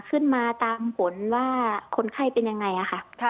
ขึ้นมาตามผลว่าคนไข้เป็นยังไงค่ะ